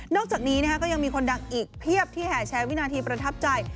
อกจากนี้ก็ยังมีคนดังอีกเพียบที่แห่แชร์วินาทีประทับใจ